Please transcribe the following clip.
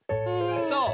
そう。